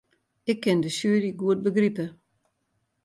Ik kin de sjuery goed begripe.